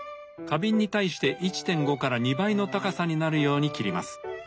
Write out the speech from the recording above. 花瓶に対して１．５から２倍の高さになるように切ります。